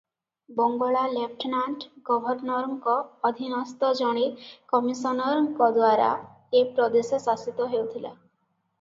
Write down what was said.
ବଙ୍ଗଳା lieutenant ଗଭର୍ନରଙ୍କର ଅଧୀନସ୍ଥ ଜଣେ କମିଶନରଙ୍କଦ୍ୱାରା ଏ ପ୍ରଦେଶ ଶାସିତ ହେଉଥିଲା ।